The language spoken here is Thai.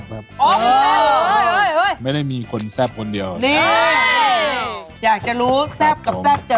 ผมใส่ไม่ได้นับเลยอะ